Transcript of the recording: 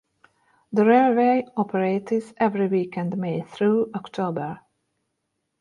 The railway operates every weekend May through October.